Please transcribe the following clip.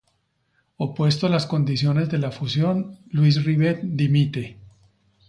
Opuesto a las condiciones de la fusión, Luis Rivet dimite.